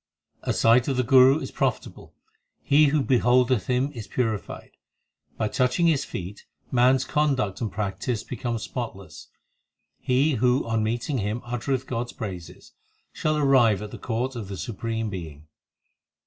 4 A sight of the Guru is profitable ; he who beholdeth him is purified ; By touching his feet man s conduct and practice become spotless ; He who on meeting him uttereth God s praises, Shall arrive at the court of the Supreme Being.